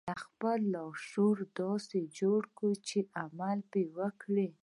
خپل لاشعور داسې جوړ کړئ چې عمل وکړي